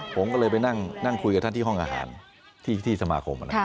ผมก็เลยไปนั่งคุยกับท่านที่ห้องอาหารที่สมาคม